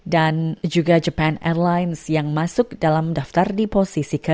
dan juga japan airlines yang masuk dalam daftar di posisi ke dua puluh